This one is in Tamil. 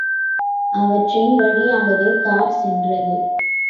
அவற்றின் வழியாகவே கார் சென்றது.